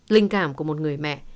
linh cảm của một người mẹ